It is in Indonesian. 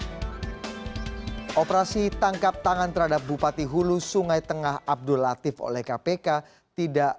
hai operasi tangkap tangan terhadap bupati hulu sungai tengah abdul latif oleh kpk tidak